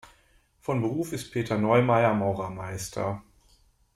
Von Beruf ist Peter Neumair Maurermeister.